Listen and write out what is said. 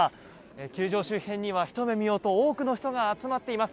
球場周辺にはひと目見ようと多くの人が集まっています。